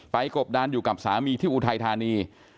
กบดานอยู่กับสามีที่อุทัยธานี